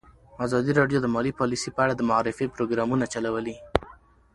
ازادي راډیو د مالي پالیسي په اړه د معارفې پروګرامونه چلولي.